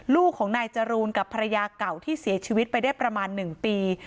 ลูกของนายจรูนกับภรรยาเก่าที่เสียชีวิตไปได้ประมาณ๑ปี